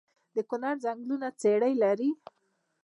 د کونړ ځنګلونه څیړۍ لري؟